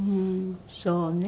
そうね。